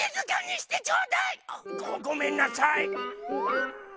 ごめんなさい。